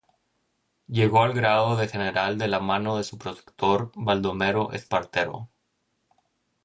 Llegó al grado de general de la mano de su protector, Baldomero Espartero.